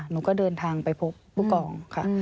หนูก็เดินทางไปพบผู้กองค่ะ